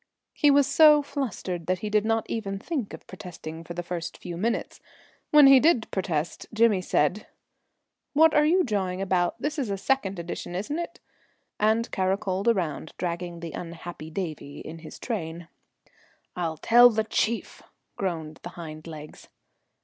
He was so flustered that he did not even think of protesting for the first few minutes. When he did protest, Jimmy said, "What are you jawing about? This is a second edition, isn't it?" and caracoled around, dragging the unhappy Davie in his train. "I'll tell the chief," groaned the hind legs.